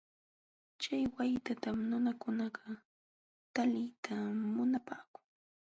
Chay waytatam nunakunakaq taliyta munapaakun.